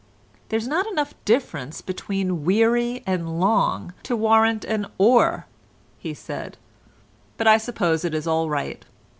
"There's not enough difference between 'weary' and 'long' to warrant an 'or,'" he said, "but I suppose it is all right."